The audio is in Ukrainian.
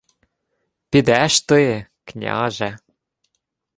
— Підеш ти, княже.